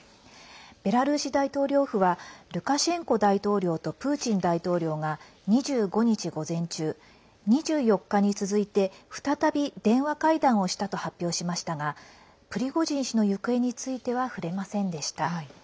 ベラルーシ大統領府はルカシェンコ大統領とプーチン大統領が２５日午前中２４日に続いて再び電話会談をしたと発表しましたがプリゴジン氏の行方については触れませんでした。